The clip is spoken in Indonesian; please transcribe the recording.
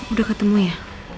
udah ketemu ya